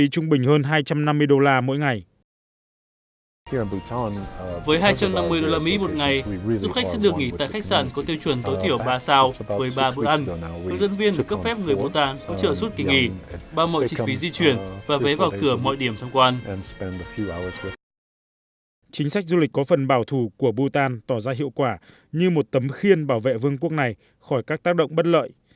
chính sách du lịch có phần bảo thủ của bhutan tỏ ra hiệu quả như một tấm khiên bảo vệ vương quốc này khỏi các tác động bất lợi